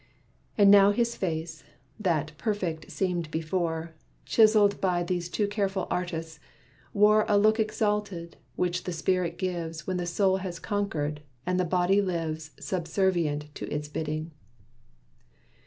And now his face, that perfect seemed before, Chiseled by these two careful artists, wore A look exalted, which the spirit gives When soul has conquered, and the body lives Subservient to its bidding.